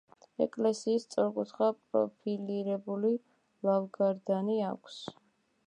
ეკლესიას სწორკუთხა პროფილირებული ლავგარდანი აქვს.